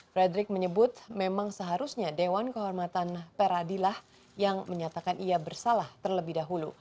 frederick menyebut memang seharusnya dewan kehormatan peradilah yang menyatakan ia bersalah terlebih dahulu